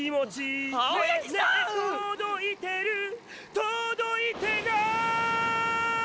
「届いてない？」